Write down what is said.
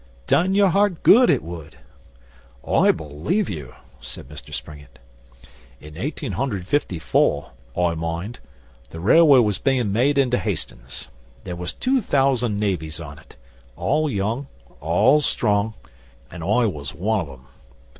Done your heart good, it would!' 'I believe you,' said Mr Springett. 'In Eighteen hundred Fifty four, I mind, the railway was bein' made into Hastin's. There was two thousand navvies on it all young all strong an' I was one of 'em.